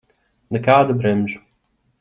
Nekādu bremžu.